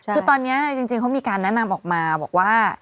คือตอนนี้จริงเขามีการแนะนำออกมาบอกว่า